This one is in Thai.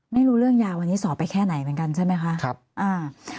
ไม่รู้เรื่องยาวันนี้สอบไปแค่ไหนเหมือนกันใช่ไหมคะครับอ่า